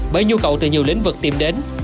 bởi nhu cầu từ nhiều lĩnh vực tìm đến